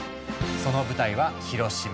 その舞台は広島。